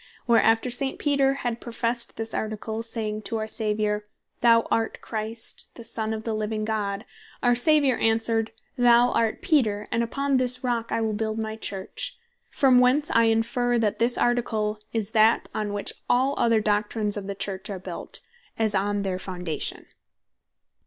where after St. Peter had professed this Article, saying to our Saviour, "Thou art Christ the Son of the living God," Our Saviour answered, "Thou art Peter, and upon this Rock I will build my Church:" from whence I inferre, that this Article is that, on which all other Doctrines of the Church are built, as on their Foundation.